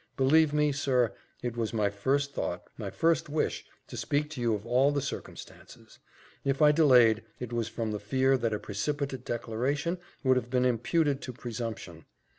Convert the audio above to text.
Believe me, sir, it was my first thought, my first wish, to speak to you of all the circumstances; if I delayed, it was from the fear that a precipitate declaration would have been imputed to presumption.